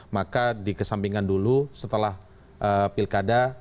maka dikesampingkan dulu setelah pilkada